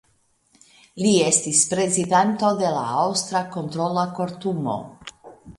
Li estis Prezidanto de la Aŭstra Kontrola Kortumo.